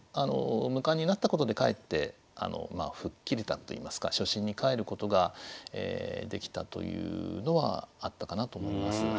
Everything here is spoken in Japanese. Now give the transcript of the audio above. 無冠になったことでかえってふっきれたといいますか初心に返ることができたというのはあったかなと思います。